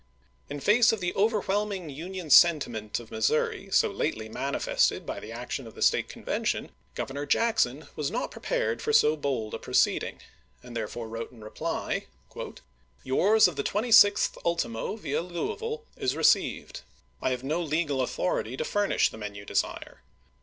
In face of the overwhelming Union sentiment of Missouri, so lately manifested by the action of the State Convention, Governor MISSOURI 211 Jackson was not prepared for so bold a proceed chap. xi. iug, and therefore wrote in reply : Yours of the 26th ultimo, via Louisville, is received. I have no legal authority to furnish the men you desire.